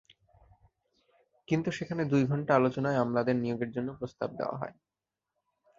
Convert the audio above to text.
কিন্তু সেখানে দুই ঘণ্টা আলোচনায় আমলাদের নিয়োগের জন্য প্রস্তাব দেওয়া হয়।